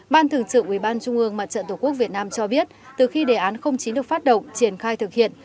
ban thường trưởng ủy ban trung ương mặt trận tổ quốc việt nam cho biết từ khi đề án chín được phát động triển khai thực hiện